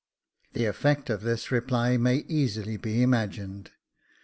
The effect of this reply may easily be imagined.